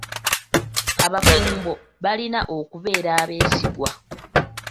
Abafumbo balina okubeera abeesigwa.